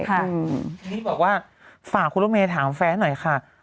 ทีนี้บอกว่าฝากคุณรถเมย์ถามแฟนหน่อยค่ะ